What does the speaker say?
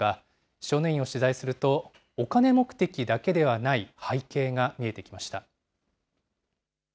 少年院を取材すると、お金目的だけではない背景が見えてきました。